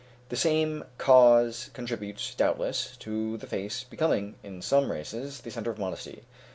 The same cause contributes, doubtless, to the face becoming, in some races, the centre of modesty.